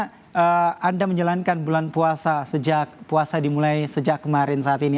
bagaimana anda menjalankan bulan puasa sejak puasa dimulai sejak kemarin saat ini